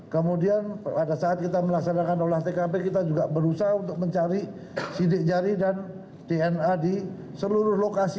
kemudian pada saat kita melaksanakan olah tkp kita juga berusaha untuk mencari sidik jari dan dna di seluruh lokasi